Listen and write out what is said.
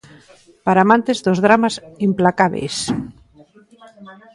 Para amantes dos dramas implacábeis.